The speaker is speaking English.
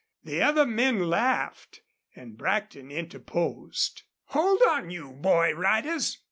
The other men laughed, and Brackton interposed: "Hold on, you boy riders!"